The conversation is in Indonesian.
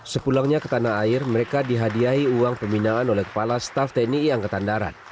sepulangnya ke tanah air mereka dihadiahi uang pembinaan oleh kepala staff tni angkatan darat